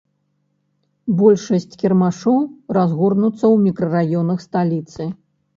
Большасць кірмашоў разгорнуцца ў мікрараёнах сталіцы.